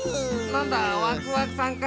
なんだワクワクさんか。